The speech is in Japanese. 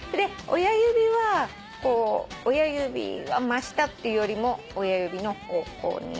親指は親指は真下っていうよりも親指の方向に。